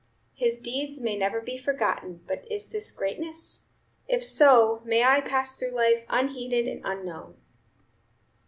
His deeds may never be forgotten; but is this greatness? If so, may I pass through life unheeded and unknown!"